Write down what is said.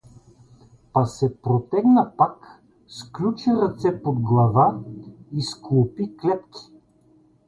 Па се протегна пак, сключи ръце под глава и склопи клепки.